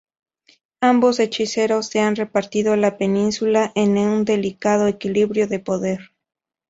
Ambos hechiceros se han repartido la península en un delicado equilibrio de poder.